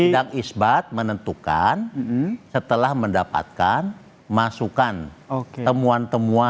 sidang isbat menentukan setelah mendapatkan masukan temuan temuan